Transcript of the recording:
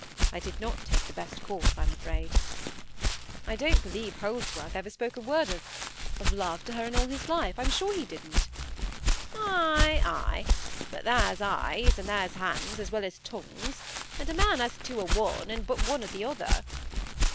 I did not take the best course, I'm afraid. "I don't believe Holdsworth ever spoke a word of—of love to her in all his life. I'm sure he didn't." "Ay. Ay! but there's eyes, and there's hands, as well as tongues; and a man has two o' th' one and but one o' t'other."